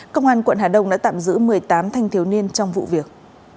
công an quận hà đông đã tạm giữ một mươi tám thanh thiếu niên trong vụ việc